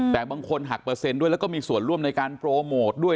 แต่บางคนหักเปอร์เซ็นต์ด้วยแล้วก็มีส่วนร่วมในการโปรโมทด้วย